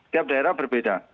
tiap daerah berbeda